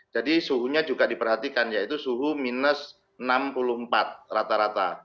jadi suhu yang diperhatikan adalah minus enam puluh empat rata rata